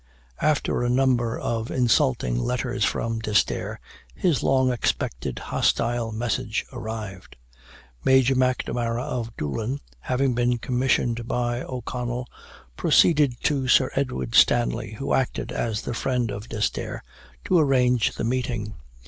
After a number of insulting letters from D'Esterre, his long expected hostile message arrived. Major M'Namara, of Doolen, having been commissioned by O'Connell, proceeded to Sir Edward Stanley, who acted as the friend of D'Esterre, to arrange the meeting.